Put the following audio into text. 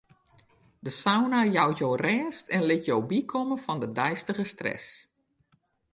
De sauna jout jo rêst en lit jo bykomme fan de deistige stress.